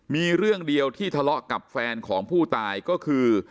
มีเรื่องเดียวที่ทะเลาะกับแฟนของผู้ตายก็คือ